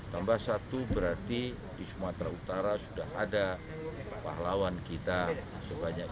tambah satu berarti di sumatera utara sudah ada pahlawan kita sebanyak itu